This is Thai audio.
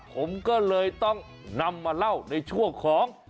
ผมก็เลยต้องนำมาเล่าในช่วงของ